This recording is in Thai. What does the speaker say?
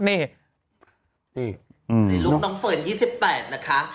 นี่ในลุคน้องเฟิร์น๒๘นะคะ